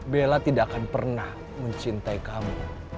bella tidak akan pernah mencintai kamu